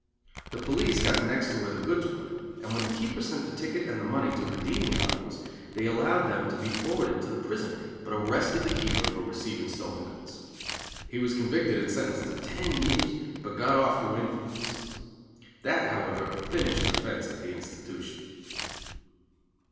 The police got "next" to where the goods were, and when the keeper sent the ticket and the money to redeem the articles they allowed them to be forwarded to the prison, but arrested the keeper for receiving stolen goods. He was convicted and sentenced to ten years, but got off through influence. That, however, finished the "fence" at the institution.